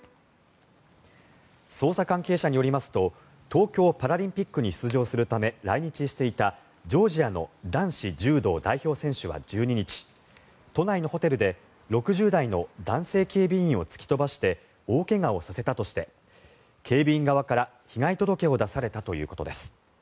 捜査関係者によりますと東京パラリンピックに出場するため来日していたジョージアの男子柔道代表選手は１２日都内のホテルで６０代の男性警備員を突き飛ばして大怪我をさせたとして警備員側から被害届を出されたということです。